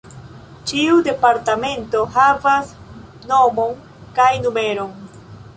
Ĉiu departemento havas nomon kaj numeron.